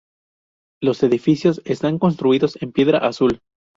Los edificios están construidos en piedra azul.